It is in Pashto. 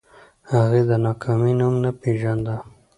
هغې د ناکامۍ نوم نه پېژانده